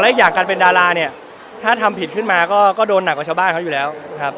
และอีกอย่างการเป็นดาราถ้าทำผิดขึ้นมาแล้วก็โดนหนักกว่าชาวบ้านก็อยู่แล้ว